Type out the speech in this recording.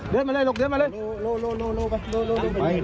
เดินมาเร็วมาเร็วลูกไป